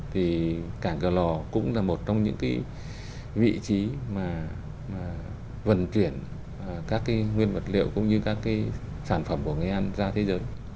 thì cảng cờ lò cũng là một trong những cái vị trí mà vận chuyển các cái nguyên vật liệu cũng như các cái sản phẩm của nghệ an ra thế giới